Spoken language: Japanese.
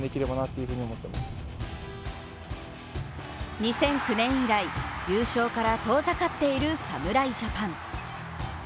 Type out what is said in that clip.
２００９年以降、優勝から遠ざかっている侍ジャパン。